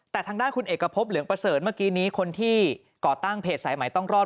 แต่ทางด้านคุณเอกพบเหลืองประเสริญเมื่อกี้นี้คนที่ก่อตั้งเพจสายใหม่ต้องรอด